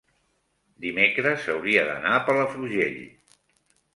dimecres hauria d'anar a Palafrugell.